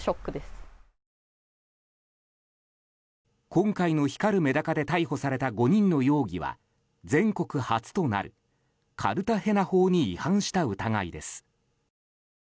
今回の光るメダカで逮捕された５人の容疑は全国初となるカルタヘナ法に違反した疑いです。